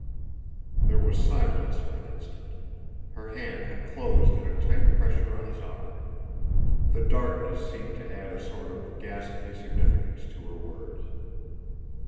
There was silence for an instant. Her hand had closed in a tight pressure on his arm. The darkness seemed to add a sort of ghastly significance to her words.